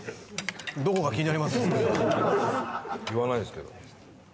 言わないですけどね。